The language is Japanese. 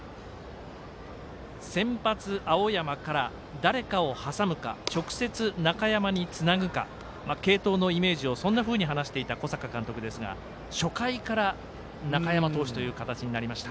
先発、青山から誰かを挟むか直接、中山につなぐか継投のイメージをそんなふうに話していた小坂監督ですが初回から中山投手という形になりました。